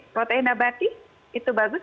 protein abadi itu bagus